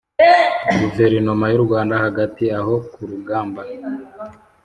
guverinoma yu rwanda hagati aho ku rugamba